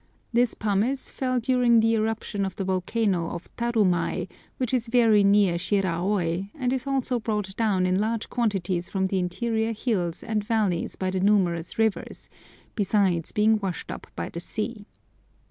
This pumice fell during the eruption of the volcano of Tarumai, which is very near Shiraôi, and is also brought down in large quantities from the interior hills and valleys by the numerous rivers, besides being washed up by the sea.